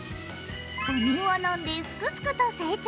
母乳を飲んですくすくと成長。